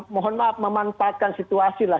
mohon maaf memanfaatkan situasi lah